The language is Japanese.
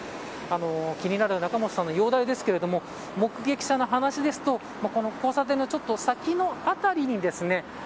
気になる仲本さんの容体ですが目撃者の話ですと交差点のちょっと先の辺りにですね